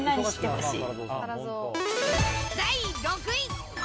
第６位。